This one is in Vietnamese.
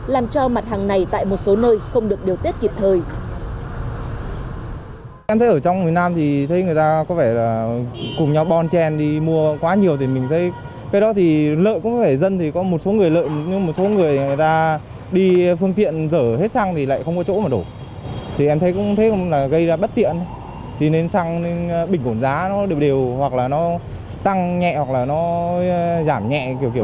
làm cho mặt hàng này tại một số nơi không được điều tiết kịp thời